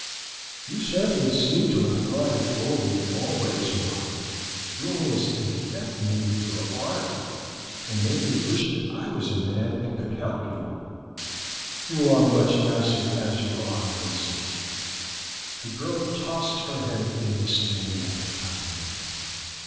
"You certainly seem to have thought it over in all ways, Mark; you almost infect me with your ardor, and make me wish that I was a man and could help you." "You are much nicer as you are, Millicent." The girl tossed her head in disdain at the compliment.